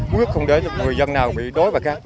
quyết không để được người dân nào bị đối với các